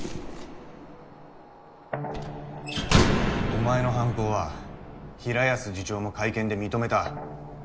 お前の犯行は平安次長も会見で認めた。